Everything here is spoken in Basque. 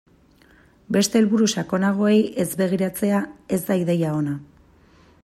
Beste helburu sakonagoei ez begiratzea ez da ideia ona.